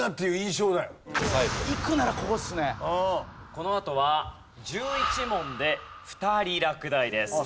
このあとは１１問で２人落第です。